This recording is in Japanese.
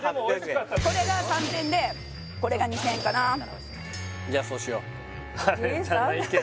これが３０００円でこれが２０００円かなじゃあそうしようえ３０００円！？